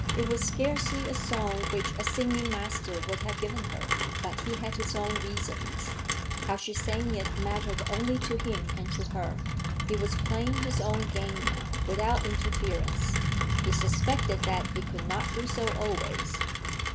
It was scarcely a song which a singing master would have given her, but he had his own reasons. How she sang it mattered only to him and to her. He was playing his own game now, without interference; he suspected that he could not do so always.